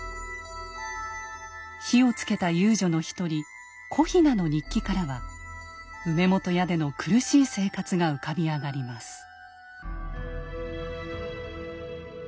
火をつけた遊女の一人小雛の日記からは梅本屋での苦しい生活が浮かび上がります。